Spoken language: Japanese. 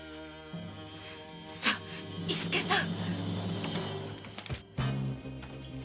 さっ伊助さん。